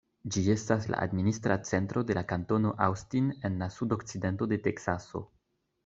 Ĝi estas la administra centro de la kantono Austin en la sudokcidento de Teksaso.